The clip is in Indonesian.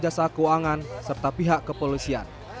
jasa keuangan serta pihak kepolisian